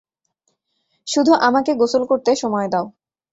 শুধু আমাকে গোসল করতে সময় দাও।